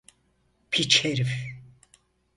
Piç herif!